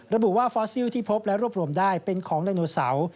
ระบุว่าฟอสซิลที่พบและรวบรวมได้เป็นของไดโนเสาร์